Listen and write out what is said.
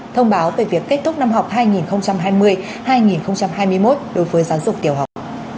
thông báo về việc kết thúc năm học hai nghìn hai mươi hai nghìn hai mươi một đối với giáo dục tiểu học